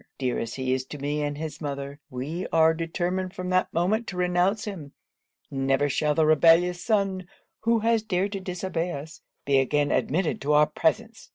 Dear as he is to me and his mother, we are determined from that moment to renounce him never shall the rebellious son who has dared to disobey us, be again admitted to our presence!